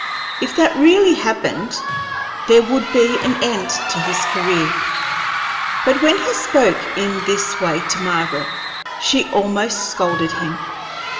If that really happened, there would be an end to his career. But when he spoke in this way to Margaret, she almost scolded him.